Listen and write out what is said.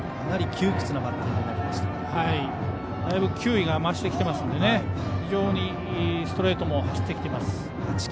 だいぶ球威が増してきていますので非常にストレートも走ってきています。